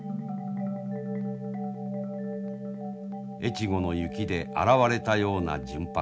越後の雪で洗われたような純白。